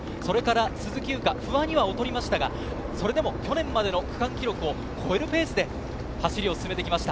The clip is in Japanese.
鈴木優花、不破には劣りましたが、それでも去年までの区間記録を超えるペースで走りを進めてきました。